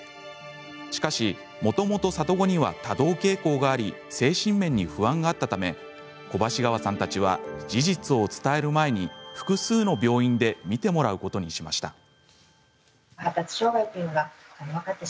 しかし、もともと里子には多動傾向があり精神面に不安があったため小橋川さんたちは事実を伝える前に、複数の病院で診てもらうことにしました。